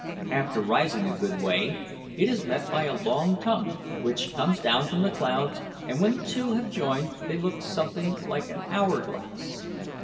After rising a good way, it is met by a long tongue, which comes down from the clouds; and when the two have joined, they look something like an hour glass.